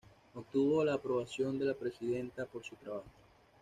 Obtuvo la "aprobación" de la Presidenta por su trabajo.